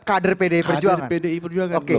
kader pdi perjuangan kader pdi perjuangan oke